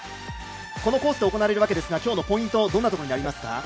このコースで行われますが今日のポイントどんなところにありますか？